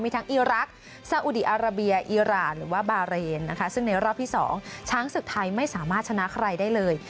ทั้งอีรักษ์ซาอุดีอาราเบียอีรานหรือว่าบาเรนนะคะซึ่งในรอบที่๒ช้างศึกไทยไม่สามารถชนะใครได้เลย